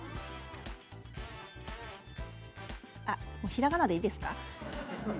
ひらがなでいいですか？